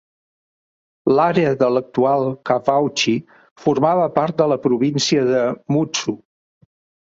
L'àrea de l'actual Kawauchi formava part de la província de Mutsu.